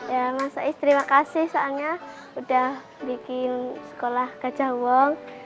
ya mas ais terima kasih soalnya udah bikin sekolah gajah wong